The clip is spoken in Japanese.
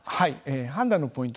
判断のポイント